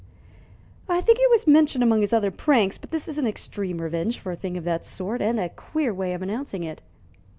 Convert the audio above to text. "I think it was mentioned among his other pranks. But this is an extreme revenge for a thing of that sort, and a queer way of announcing it."